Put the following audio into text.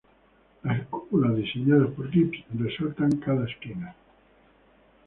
Las cúpulas diseñadas por Gibbs resaltan cada esquina.